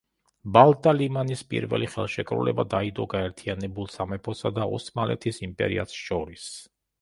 ბალტა-ლიმანის პირველი ხელშეკრულება დაიდო გაერთიანებულ სამეფოსა და ოსმალეთის იმპერიას შორის.